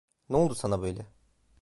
Ne oldu sana böyle?